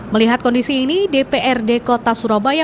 melihat kondisi ini dprd kota surabaya